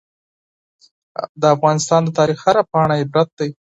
د افغانستان د تاریخ هره پاڼه عبرت دی.